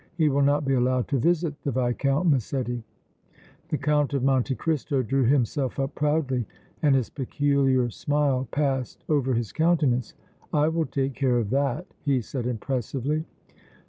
He will not be allowed to visit the Viscount Massetti!" The Count of Monte Cristo drew himself up proudly and his peculiar smile passed over his countenance. "I will take care of that!" he said, impressively.